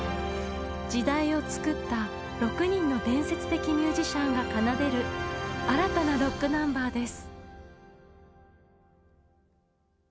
時代を作った６人の伝説的ミュージシャンが奏でる新たなロックナンバーです。